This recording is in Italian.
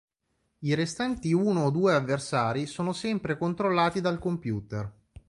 I restanti uno o due avversari sono sempre controllati dal computer.